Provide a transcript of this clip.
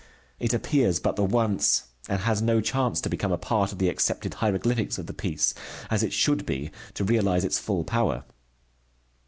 It appears but the once, and has no chance to become a part of the accepted hieroglyphics of the piece, as it should be, to realize its full power.